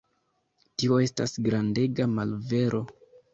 Tio estas grandega malvero.